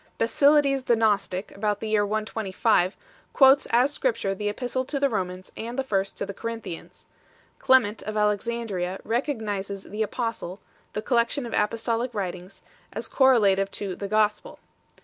Basilides the Gnostic, about the year 125, quotes as Scrip ture the Epistle to the Romans and the First to the Corin thians 2 . Clement of Alexandria recognizes "the Apostle " the collection of apostolic writings as correlative to "the Gospel 8